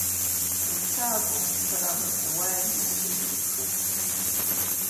Уца акәым, сара мыжда, уааиндаз ҳәа иузыԥшуп.